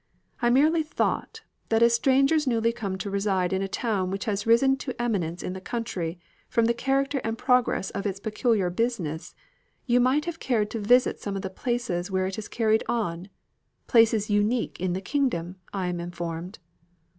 "I merely thought, that as strangers newly come to reside in a town which has risen to eminence in the country, from the character and progress of its peculiar business, you might have cared to visit some of the places where it is carried on; places unique in the kingdom, I am informed.